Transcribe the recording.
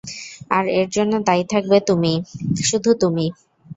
আর এর জন্য দায়ী তুমি থাকবে, শুধু তুমি।